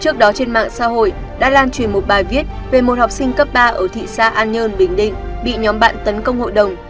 trước đó trên mạng xã hội đã lan truyền một bài viết về một học sinh cấp ba ở thị xã an nhơn bình định bị nhóm bạn tấn công hội đồng